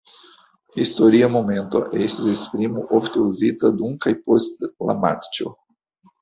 "Historia momento" estis esprimo ofte uzita dum kaj post la matĉo.